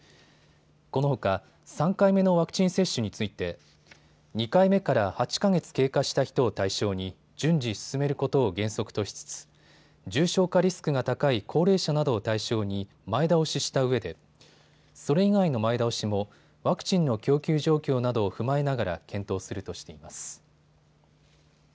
このほか３回目のワクチン接種について２回目から８か月経過した人を対象に順次、進めることを原則としつつ重症化リスクが高い高齢者などを対象に前倒ししたうえでそれ以外の前倒しもワクチンの供給状況などを踏まえながら検討するとしています。